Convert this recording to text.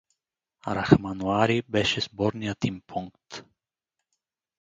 Рахманлари беше сборният им пункт.